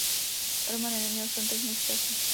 Romane, neměl jsem teď moc času.